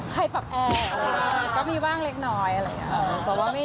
ปรับแอร์ก็มีบ้างเล็กน้อยอะไรอย่างนี้